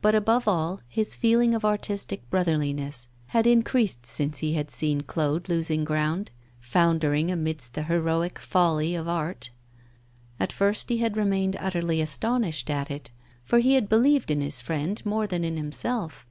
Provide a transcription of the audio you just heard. But, above all, his feeling of artistic brotherliness had increased since he had seen Claude losing ground, foundering amidst the heroic folly of art. At first he had remained utterly astonished at it, for he had believed in his friend more than in himself.